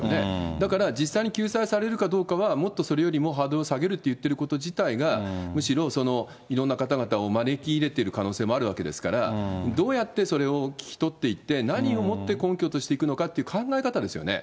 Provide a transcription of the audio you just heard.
だから実際に救済されるかどうかは、もっとそれよりもハードルを下げるって言ってること自体が、むしろいろんな方々を招き入れてる可能性もあるわけですから、どうやってそれを聞き取っていって、何をもって根拠としていくのかって考え方ですよね。